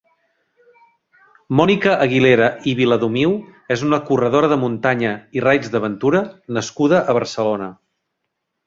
Mònica Aguilera i Viladomiu és una corredera de muntanya i raids d'aventura nascuda a Barcelona.